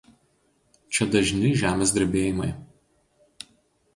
Čia dažni žemės drebėjimai.